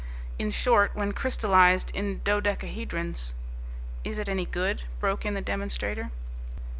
In short, when crystallized in dodecahedrons " "Is it any good?" broke in the demonstrator.